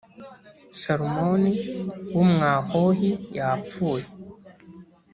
salumoni w umwahohi yapfuye